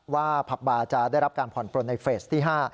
ว่าพับบาจะได้รับการผ่อนโปรดในเฟสที่๕